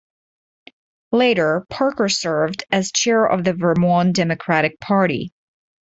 Later, Parker served as chair of the Vermont Democratic Party.